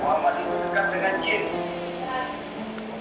muhammad itu dekat dengan jin